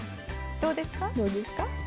どうですか？